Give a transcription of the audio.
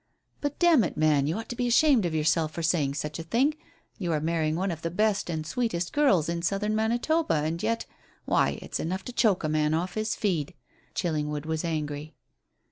"But, damn it, man, you ought to be ashamed of yourself for saying such a thing. You are marrying one of the best and sweetest girls in Southern Manitoba, and yet why, it's enough to choke a man off his feed." Chillingwood was angry.